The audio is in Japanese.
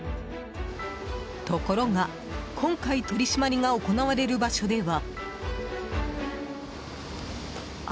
ところが今回取り締まりが行われる場所では。